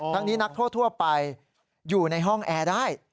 นี้นักโทษทั่วไปอยู่ในห้องแอร์ได้